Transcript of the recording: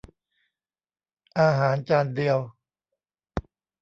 อาหารจานเดียว